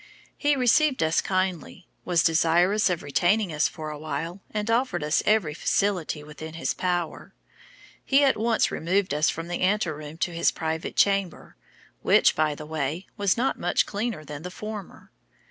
He received us kindly, was desirous of retaining us for awhile, and offered us every facility within his power. He at once removed us from the ante room to his private chamber, which, by the way, was not much cleaner than the former.